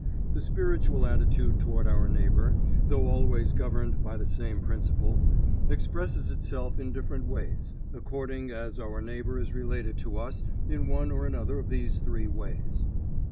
The spiritual attitude toward our neighbor though always governed by the same principle, expresses itself in different ways, according as our neighbor is related to us in one or another of these three ways.